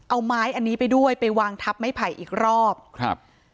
เอาไม้อันนี้ไปด้วยไปวางทับไม้ไผ่อีกรอบครับ